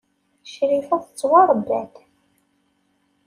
Crifa tettwaṛebba-d.